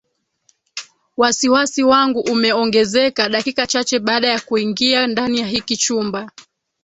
Wasiwasi wangu umeongezeka dakika chache baada ya kuingia ndani ya hiki chumba